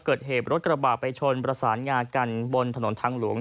เกิดเหตุรถกระบาดไปชนประสานงากันบนถนนทางหลวง